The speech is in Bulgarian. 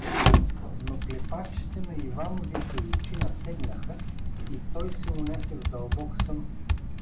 Но клепачите на Ивановите очи натегнаха и той се унесе в дълбок сън.